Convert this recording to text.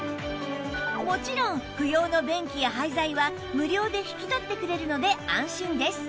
もちろん不要の便器や廃材は無料で引き取ってくれるので安心です